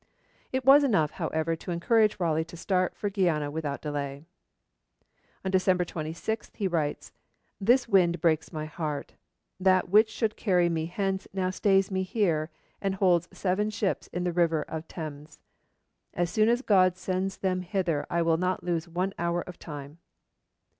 It was enough, however, to encourage Raleigh to start for Guiana without delay. On December 26 he writes: 'This wind breaks my heart. That which should carry me hence now stays me here, and holds seven ships in the river of Thames. As soon as God sends them hither I will not lose one hour of time.'